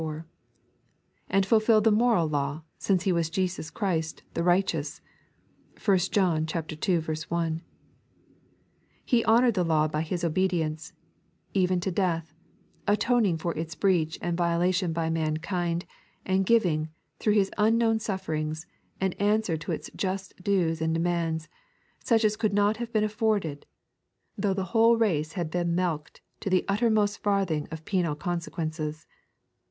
4), and fulfilled the moral law, since He was Jesus Christ "theIUghteou8"(l John ii. 1). Ho honoured the law by His obedience " even to death," atoning for its breach and violation by mankind, and giving, through His unknown sufi'erings, an answer to its just dues and de mands, such as could not have been afibrded though the whole race had been mulcted to the uttermost farthing of penal consequences.